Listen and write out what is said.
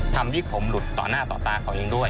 ทำให้ผมหลุดต่อหน้าต่อตาเขาเองด้วย